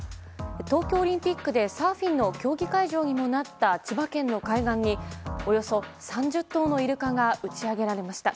東京オリンピックでサーフィンの競技会場にもなった千葉県の海岸におよそ３０頭のイルカが打ち上げられました。